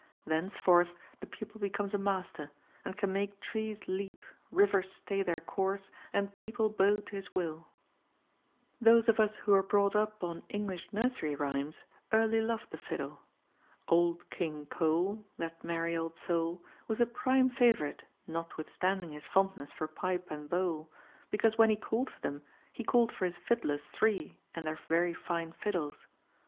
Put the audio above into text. Thenceforth the pupil becomes a master, and can make trees leap, rivers stay their course and people bow to his will. Those of us who were brought up on English nursery rhymes early loved the fiddle. Old King Cole, that merry old soul, was a prime favorite, notwithstanding his fondness for pipe and bowl, because when he called for them he called for his fiddlers three and their very fine fiddles.